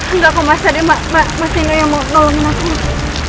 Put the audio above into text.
enggak apa apa mas adik masih enggak yang mau nolongin aku